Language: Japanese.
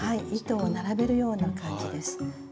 糸を並べるような感じです。